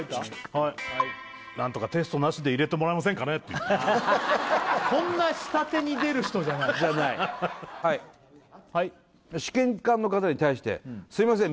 はい「何とかテストなしで入れてもらえませんかね？」って言ったこんな下手に出る人じゃないはい試験官の方に対して「すみません！